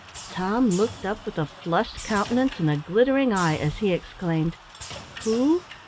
Tom looked up with a flushed countenance and a glittering eye, as he exclaimed "Who?